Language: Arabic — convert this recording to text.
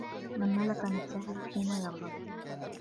مَنْ مَلَكَ نَفْسَهُ حِينَ يَرْغَبُ